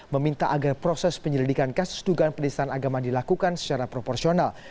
meminta agar proses penyelidikan kasus dugaan penistaan agama dilakukan secara proporsional